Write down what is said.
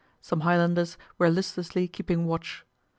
Some Highlanders were listlessly keeping watch.